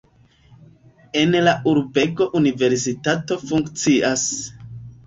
En la urbego universitato funkcias.